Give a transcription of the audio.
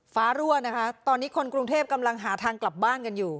รั่วนะคะตอนนี้คนกรุงเทพกำลังหาทางกลับบ้านกันอยู่